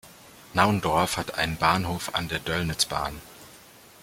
Naundorf hat einen Bahnhof an der Döllnitzbahn.